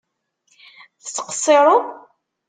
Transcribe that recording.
Tettqeṣṣireḍ?